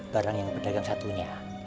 barang yang bener yang satunya